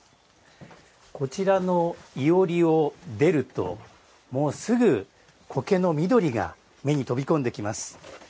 こちらのいおりを出るともう、すぐ苔の緑が目に飛び込んできます。